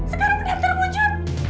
sekarang benar benar terwujud